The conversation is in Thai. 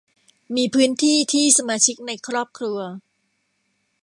มีพื้นที่ที่สมาชิกในครอบครัว